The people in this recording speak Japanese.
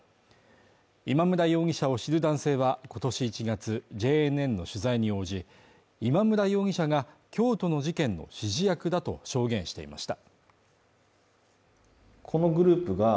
今村容疑者を知る男性は今年１月、ＪＮＮの取材に応じ、今村容疑者が京都の事件の指示役だと証言していました。